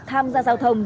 tham gia giao thông